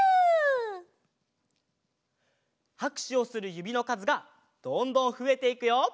はくしゅをするゆびのかずがどんどんふえていくよ。